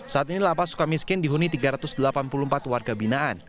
saat ini lapas suka miskin dihuni tiga ratus delapan puluh empat warga binaan